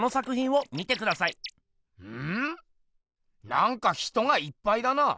なんか人がいっぱいだな。